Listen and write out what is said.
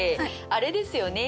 あれですよね？